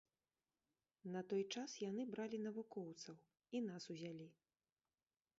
На той час яны бралі навукоўцаў і нас узялі.